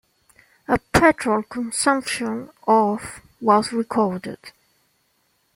A petrol consumption of was recorded.